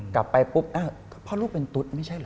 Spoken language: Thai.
กลับไปปุ๊บพ่อลูกเป็นตุ๊ดไม่ใช่เหรอ